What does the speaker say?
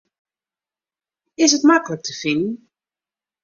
Is it maklik te finen?